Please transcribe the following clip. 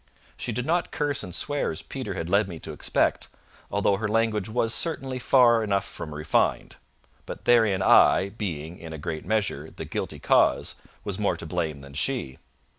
She did not curse and swear as Peter had led me to expect, although her language was certainly far enough from refined; but therein I, being, in a great measure, the guilty cause, was more to blame than she.